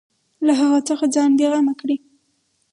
له هغه څخه ځان بېغمه کړي.